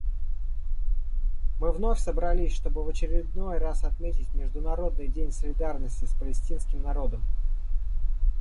Мы вновь собрались, чтобы в очередной раз отметить Международный день солидарности с палестинским народом.